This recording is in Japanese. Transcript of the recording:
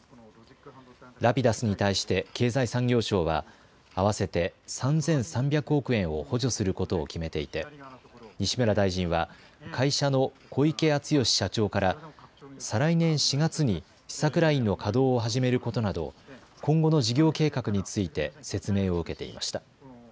Ｒａｐｉｄｕｓに対して経済産業省は合わせて３３００億円を補助することを決めていて西村大臣は会社の小池淳義社長から、再来年４月に試作ラインの稼働を始めることなど今後の事業計画について説明を受けていました。